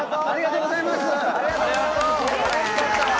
ありがとうございます！